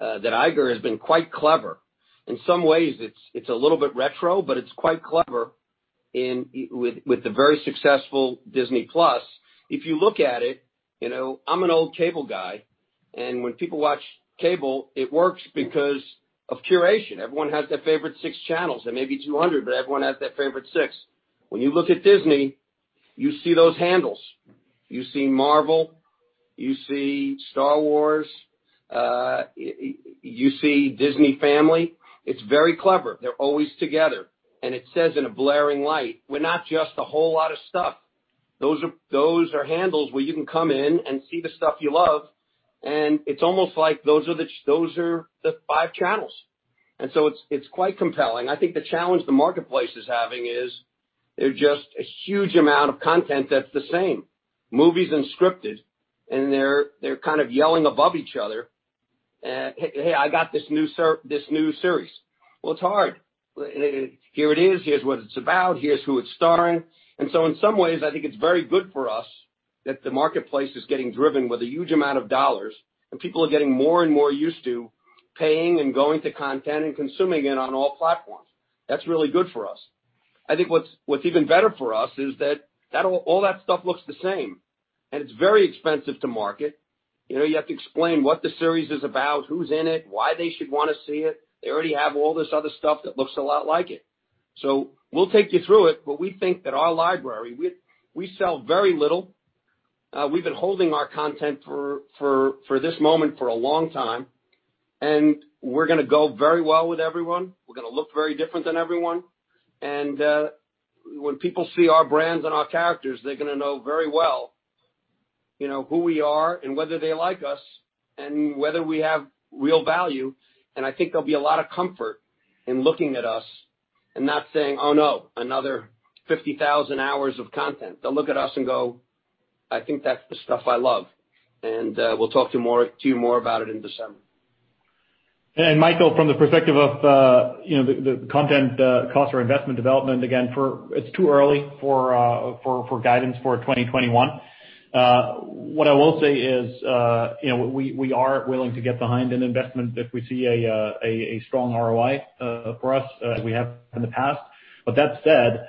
Iger has been quite clever. In some ways, it's a little bit retro, but it's quite clever with the very successful Disney+. If you look at it, I'm an old cable guy, and when people watch cable, it works because of curation. Everyone has their favorite six channels. There may be 200, but everyone has their favorite six. When you look at Disney, you see those handles. You see Marvel, you see Star Wars, you see Disney Family. It's very clever. They're always together. It says in a blaring light, "We're not just a whole lot of stuff." Those are handles where you can come in and see the stuff you love, and it's almost like those are the five channels. It's quite compelling. I think the challenge the marketplace is having is there's just a huge amount of content that's the same. Movies and scripted, and they're kind of yelling above each other, "Hey, I got this new series." Well, it's hard. Here it is. Here's what it's about. Here's who it's starring. In some ways, I think it's very good for us that the marketplace is getting driven with a huge amount of dollars, and people are getting more and more used to paying and going to content and consuming it on all platforms. That's really good for us. I think what's even better for us is that all that stuff looks the same, and it's very expensive to market. You have to explain what the series is about, who's in it, why they should want to see it. They already have all this other stuff that looks a lot like it. We'll take you through it, but we think that our library. We sell very little. We've been holding our content for this moment for a long time, and we're going to go very well with everyone. We're going to look very different than everyone. When people see our brands and our characters, they're going to know very well. You know who we are and whether they like us and whether we have real value. I think there'll be a lot of comfort in looking at us and not saying, "Oh, no, another 50,000 hours of content." They'll look at us and go, "I think that's the stuff I love." We'll talk to you more about it in December. Michael, from the perspective of the content, cost or investment development, again, it's too early for guidance for 2021. What I will say is we are willing to get behind an investment if we see a strong ROI for us as we have in the past. That said,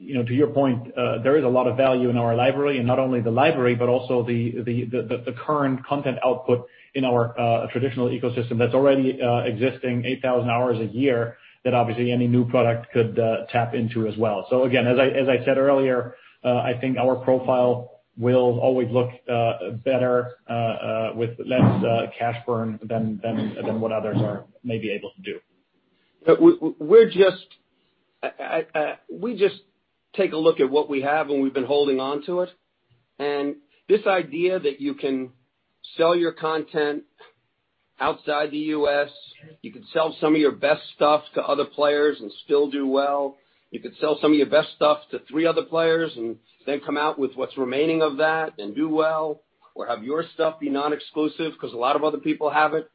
to your point, there is a lot of value in our library, and not only the library, but also the current content output in our traditional ecosystem that's already existing 8,000 hours a year that obviously any new product could tap into as well. Again, as I said earlier, I think our profile will always look better with less cash burn than what others may be able to do. We just take a look at what we have and we've been holding onto it. This idea that you can sell your content outside the U.S., you can sell some of your best stuff to other players and still do well. You could sell some of your best stuff to three other players and then come out with what's remaining of that and do well, or have your stuff be non-exclusive because a lot of other people have it.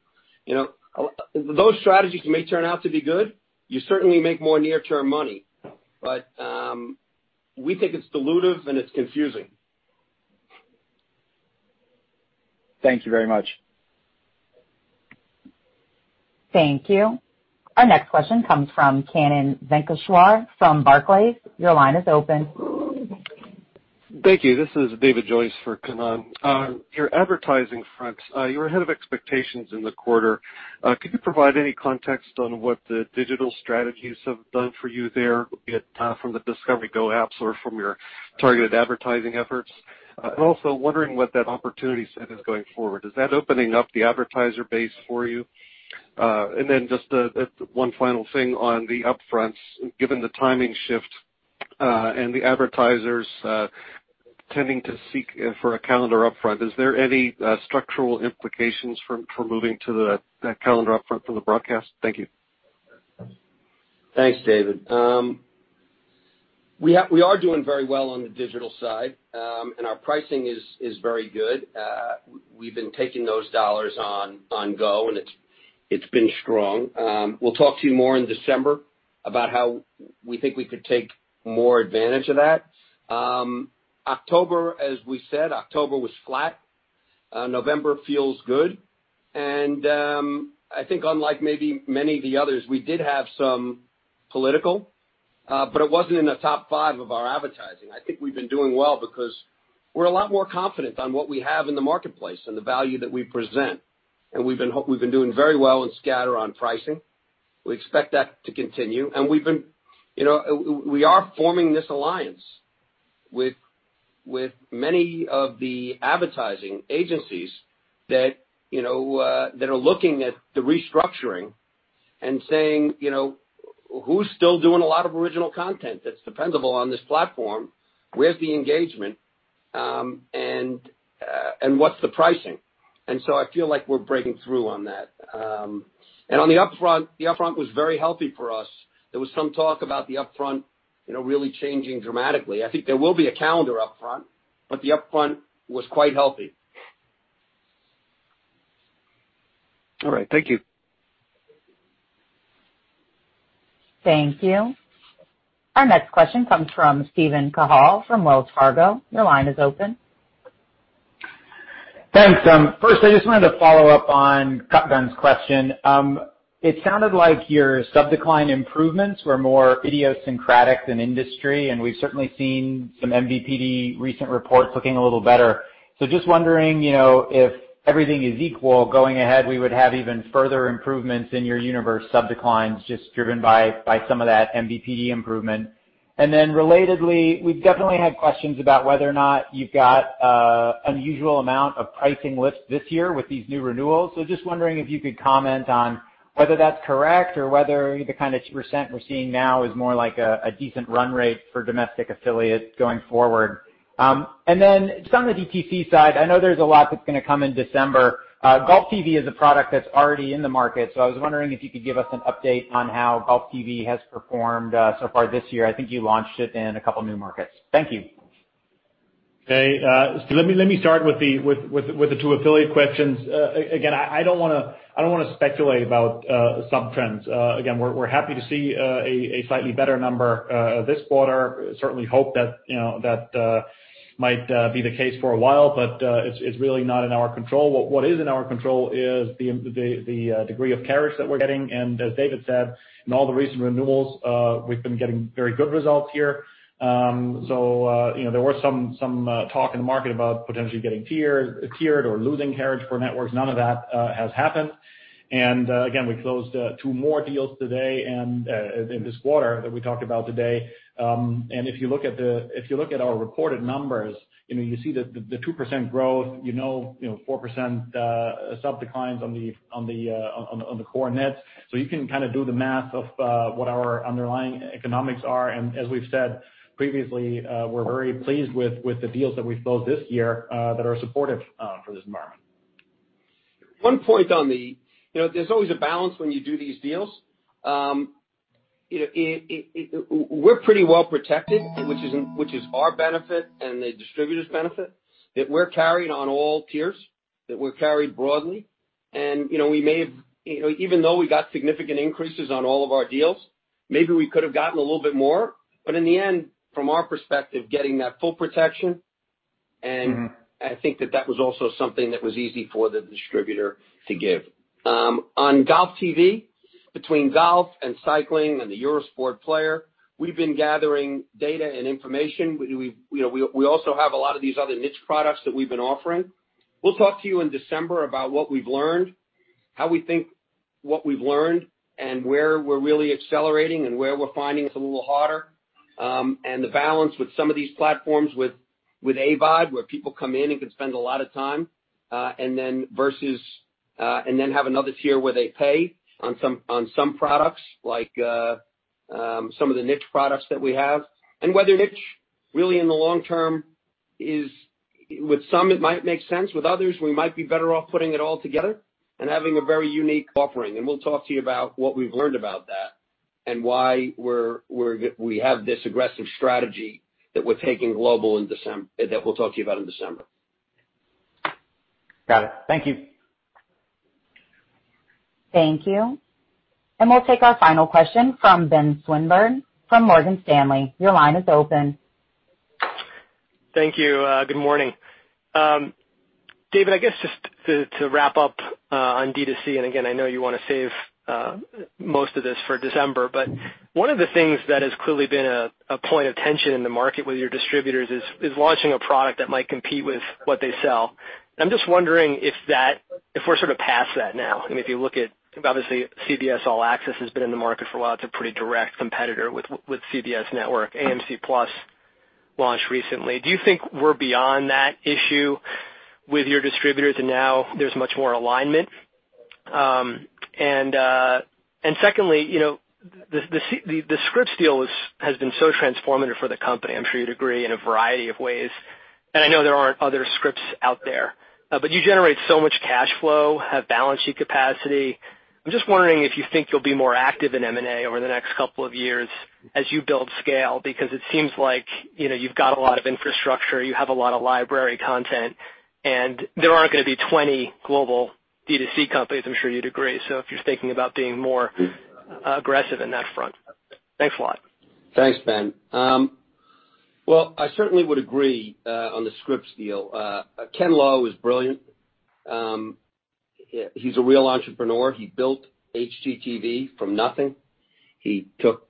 Those strategies may turn out to be good. You certainly make more near-term money, but we think it's dilutive and it's confusing. Thank you very much. Thank you. Our next question comes from Kannan Venkateshwar from Barclays. Your line is open. Thank you. This is David Joyce for Kannan. On your advertising fronts, you were ahead of expectations in the quarter. Could you provide any context on what the digital strategies have done for you there, be it from the Discovery GO apps or from your targeted advertising efforts? Also wondering what that opportunity set is going forward. Is that opening up the advertiser base for you? Then just one final thing on the upfronts, given the timing shift, and the advertisers tending to seek for a calendar upfront, is there any structural implications from moving to that calendar upfront from the broadcast? Thank you. Thanks, David. We are doing very well on the digital side. Our pricing is very good. We've been taking those dollars on GO, it's been strong. We'll talk to you more in December about how we think we could take more advantage of that. October, as we said, October was flat. November feels good. I think unlike maybe many of the others, we did have some political, but it wasn't in the top five of our advertising. I think we've been doing well because we're a lot more confident on what we have in the marketplace and the value that we present. We've been doing very well in scatter on pricing. We expect that to continue. We are forming this alliance with many of the advertising agencies that are looking at the restructuring and saying, "Who's still doing a lot of original content that's dependable on this platform? Where's the engagement? What's the pricing?" I feel like we're breaking through on that. On the upfront, the upfront was very healthy for us. There was some talk about the upfront really changing dramatically. I think there will be a calendar upfront, but the upfront was quite healthy. All right. Thank you. Thank you. Our next question comes from Steven Cahall from Wells Fargo. Your line is open. Thanks. First, I just wanted to follow up on Kutgun's question. It sounded like your sub-decline improvements were more idiosyncratic than industry, and we've certainly seen some MVPD recent reports looking a little better. Just wondering if everything is equal going ahead, we would have even further improvements in your universe sub-declines just driven by some of that MVPD improvement. Relatedly, we've definitely had questions about whether or not you've got unusual amount of pricing lifts this year with these new renewals. Just wondering if you could comment on whether that's correct or whether the kind of percent we're seeing now is more like a decent run rate for domestic affiliates going forward. On the DTC side, I know there's a lot that's going to come in December. GOLFTV is a product that's already in the market. I was wondering if you could give us an update on how GOLFTV has performed so far this year. I think you launched it in a couple new markets. Thank you. Okay. Let me start with the two affiliate questions. Again, I don't want to speculate about sub-trends. Again, we're happy to see a slightly better number this quarter. Certainly hope that might be the case for a while, but it's really not in our control. What is in our control is the degree of carriage that we're getting, and as David said, in all the recent renewals, we've been getting very good results here. There was some talk in the market about potentially getting tiered or losing carriage for networks. None of that has happened. Again, we closed two more deals today and in this quarter that we talked about today. If you look at our reported numbers, you see the 2% growth, you know 4% sub declines on the core nets. You can kind of do the math of what our underlying economics are. As we've said previously, we're very pleased with the deals that we've closed this year that are supportive for this environment. There's always a balance when you do these deals. We're pretty well protected, which is our benefit and the distributor's benefit, that we're carried on all tiers, that we're carried broadly. Even though we got significant increases on all of our deals, maybe we could have gotten a little bit more, but in the end, from our perspective, getting that full protection, and I think that that was also something that was easy for the distributor to give. On GOLFTV, between golf and cycling and the Eurosport Player, we've been gathering data and information. We also have a lot of these other niche products that we've been offering. We'll talk to you in December about what we've learned, how we think what we've learned, and where we're really accelerating and where we're finding it's a little harder, and the balance with some of these platforms with AVOD, where people come in and can spend a lot of time, and then have another tier where they pay on some products, like some of the niche products that we have. Whether niche really in the long term with some, it might make sense. With others, we might be better off putting it all together and having a very unique offering. We'll talk to you about what we've learned about that and why we have this aggressive strategy that we're taking global that we'll talk to you about in December. Got it. Thank you. Thank you. We'll take our final question from Ben Swinburne from Morgan Stanley. Your line is open. Thank you. Good morning. David, I guess just to wrap up on D2C, I know you want to save most of this for December, but one of the things that has clearly been a point of tension in the market with your distributors is launching a product that might compete with what they sell. I'm just wondering if we're sort of past that now. If you look at, obviously, CBS All Access has been in the market for a while. It's a pretty direct competitor with CBS Network. AMC+ launched recently. Do you think we're beyond that issue with your distributors and now there's much more alignment? Secondly, the Scripps deal has been so transformative for the company, I'm sure you'd agree, in a variety of ways. I know there aren't other Scripps out there. You generate so much cash flow, have balance sheet capacity. I'm just wondering if you think you'll be more active in M&A over the next couple of years as you build scale, because it seems like you've got a lot of infrastructure, you have a lot of library content, and there aren't going to be 20 global D2C companies, I'm sure you'd agree. If you're thinking about being more aggressive in that front? Thanks a lot. Thanks, Ben. Well, I certainly would agree on the Scripps deal. Ken Lowe is brilliant. He's a real entrepreneur. He built HGTV from nothing. He took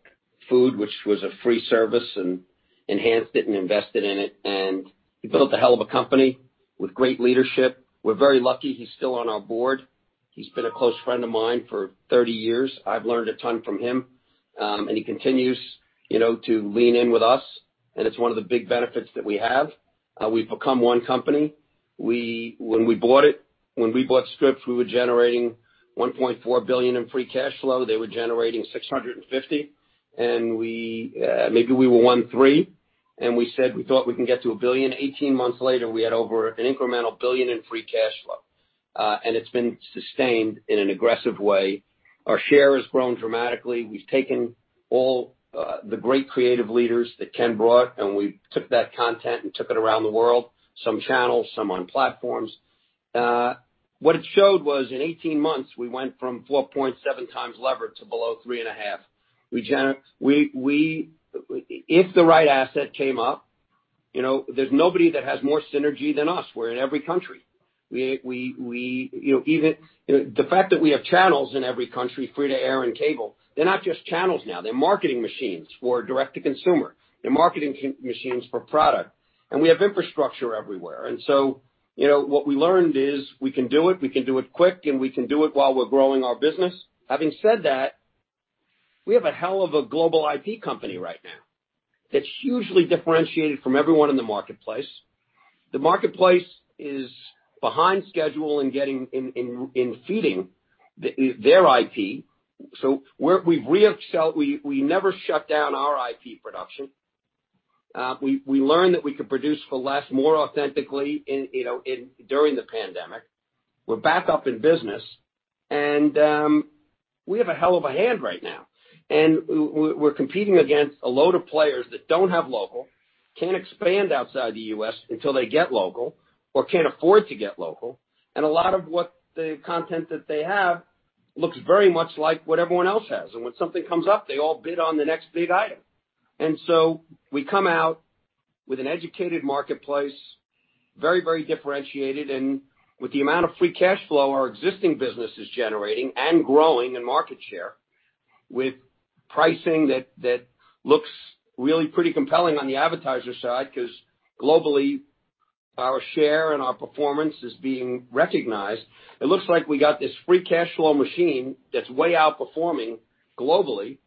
Food, which was a free service, and enhanced it and invested in it. He built a hell of a company with great leadership. We're very lucky he's still on our board. He's been a close friend of mine for 30 years. I've learned a ton from him. He continues to lean in with us, and it's one of the big benefits that we have. We've become one company. When we bought Scripps, we were generating $1.4 billion in free cash flow. They were generating $650 million, and maybe we were $1.3 billion, and we said we thought we can get to $1 billion. 18 months later, we had over an incremental $1 billion in free cash flow. It's been sustained in an aggressive way. Our share has grown dramatically. We've taken all the great creative leaders that Ken brought, and we took that content and took it around the world, some channels, some on platforms. What it showed was in 18 months, we went from 4.7x lever to below 3.5x. If the right asset came up, there's nobody that has more synergy than us. We're in every country. The fact that we have channels in every country, free-to-air and cable, they're not just channels now, they're marketing machines for direct-to-consumer. They're marketing machines for product. We have infrastructure everywhere. What we learned is we can do it, we can do it quick, and we can do it while we're growing our business. Having said that, we have a hell of a global IP company right now that's hugely differentiated from everyone in the marketplace. The marketplace is behind schedule in feeding their IP. We never shut down our IP production. We learned that we could produce for less, more authentically during the pandemic. We're back up in business. We have a hell of a hand right now. We're competing against a load of players that don't have local, can't expand outside the U.S. until they get local, or can't afford to get local. A lot of the content that they have looks very much like what everyone else has. When something comes up, they all bid on the next big item. We come out with an educated marketplace, very differentiated, and with the amount of free cash flow our existing business is generating and growing in market share with pricing that looks really pretty compelling on the advertiser side because globally, our share and our performance is being recognized. It looks like we got this free cash flow machine that's way outperforming globally,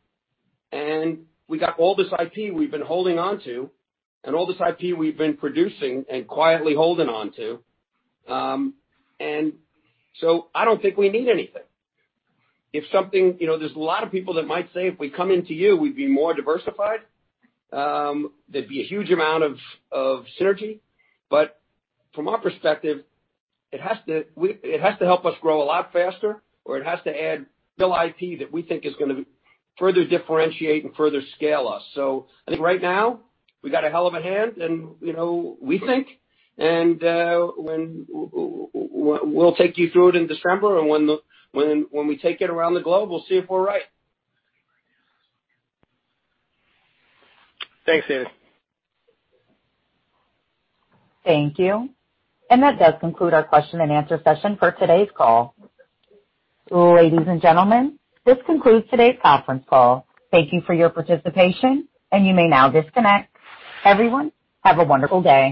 and we got all this IP we've been holding onto and all this IP we've been producing and quietly holding onto. I don't think we need anything. There's a lot of people that might say, if we come into you, we'd be more diversified. There'd be a huge amount of synergy. From our perspective, it has to help us grow a lot faster, or it has to add real IP that we think is going to further differentiate and further scale us. I think right now, we got a hell of a hand, we think. We'll take you through it in the December, and when we take it around the globe, we'll see if we're right. Thanks, David. Thank you. That does conclude our question and answer session for today's call. Ladies and gentlemen, this concludes today's conference call. Thank you for your participation, and you may now disconnect. Everyone, have a wonderful day.